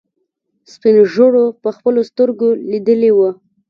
سپينږيرو په خپلو سترګو ليدلي وو.